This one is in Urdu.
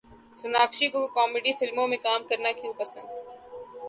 سوناکشی کو کامیڈی فلموں میں کام کرنا کیوں پسند